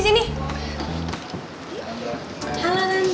selamat malam mbak